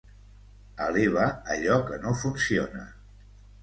Eleva allò que no funciona.